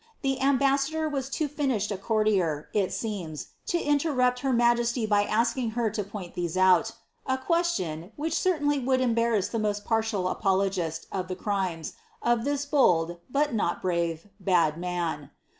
^' The ambassador was too finished a courtier, it seems, to interrupt her majesty by asking her to point these out — a question, which certainly would embarrass the most partial apologist of the crimes, of this bold, but not brave, bad man.